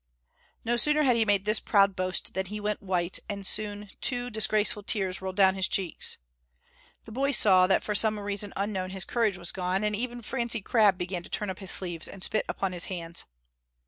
No sooner had he made this proud boast than he went white, and soon two disgraceful tears rolled down his cheeks. The boys saw that for some reason unknown his courage was gone, and even Francie Crabb began to turn up his sleeves and spit upon his hands.